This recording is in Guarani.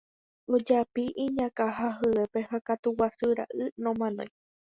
Ojapi iñakã ha hyépe ha katu guasu ra'y nomanói.